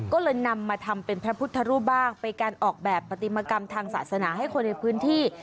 ก็เลยนำมาทำเป็นพระพุทธรูปบ้างไปการออกแบบปฏิมกรรมทางศาสนาให้คนในพื้นที่